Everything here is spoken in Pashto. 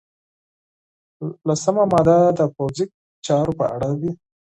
لسمه ماده د پوځي چارو په اړه وه.